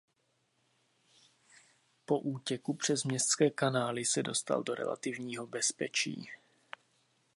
Po útěku přes městské kanály se dostal do relativního bezpečí.